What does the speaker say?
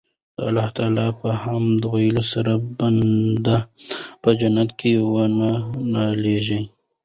د الله تعالی په حمد ويلو سره بنده ته په جنت کي وَنه ناليږي